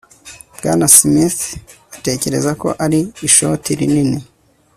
Bwana Smith atekereza ko ari ishoti rinini